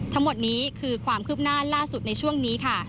ทั้งหมดนี้คือความคืบหน้าล่าสุดในช่วงนี้ค่ะ